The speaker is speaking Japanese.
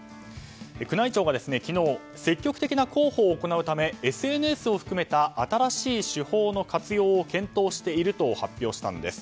宮内庁が昨日積極的な広報を行うためにＳＮＳを含めた新しい手法の活用を検討していると発表したんです。